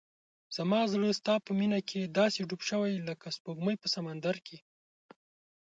زما زړه ستا په مینه کې داسې ډوب شوی لکه سپوږمۍ په سمندر کې.